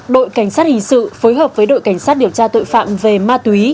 đội cảnh sát hình sự phối hợp với đội cảnh sát điều tra tội phạm về ma túy